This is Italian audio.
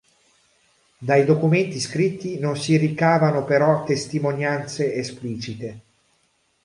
Dai documenti scritti non si ricavano però testimonianze esplicite.